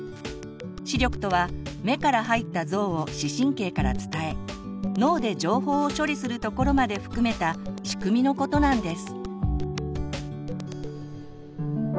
「視力」とは目から入った像を視神経から伝え脳で情報を処理するところまで含めた仕組みのことなんです。